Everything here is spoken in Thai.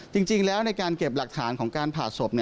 จริงแล้วในการเก็บหลักฐานของการผ่าศพ